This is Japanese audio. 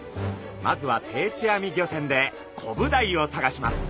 まずは定置網漁船でコブダイを探します。